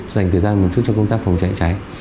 dành thời gian một chút cho công tác phòng cháy cháy